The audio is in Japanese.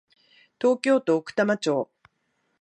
東京都奥多摩町